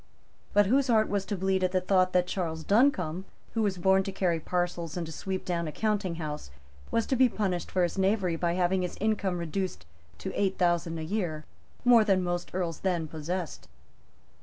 But whose heart was to bleed at the thought that Charles Duncombe, who was born to carry parcels and to sweep down a counting house, was to be punished for his knavery by having his income reduced to eight thousand a year, more than most earls then possessed?